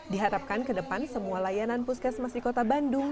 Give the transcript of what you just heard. diharapkan ke depan semua layanan puskesmas di kota bandung